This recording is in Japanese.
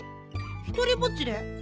ひとりぼっちで？